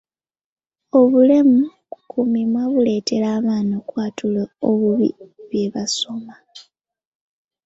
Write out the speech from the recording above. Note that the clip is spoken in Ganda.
Obulemu ku mimwa buleetera abaana okwatula obubi bye basoma.